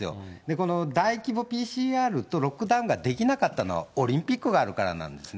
この大規模ＰＣＲとロックダウンができなかったのは、オリンピックがあるからなんですね。